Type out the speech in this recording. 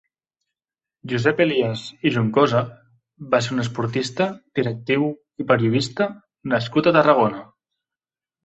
Josep Elías i Juncosa va ser un esportista, directiu i periodista nascut a Tarragona.